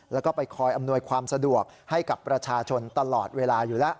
แล้วก็ไปคอยอำนวยความสะดวกให้กับประชาชนตลอดเวลาอยู่แล้ว